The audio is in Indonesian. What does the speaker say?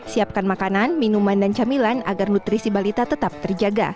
siapkan makanan minuman dan camilan agar nutrisi balita tetap terjaga